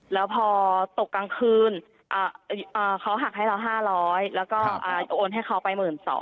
แล้วพอตกกลางคืนเขาหักให้เรา๕๐๐แล้วก็โอนให้เขาไป๑๒๐๐